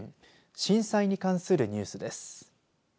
震災に関するニュースです。